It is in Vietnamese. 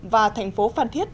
và thành phố phan thiết